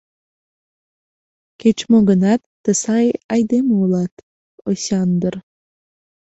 — Кеч-мо гынат, тый сай айдеме улат, Осяндр!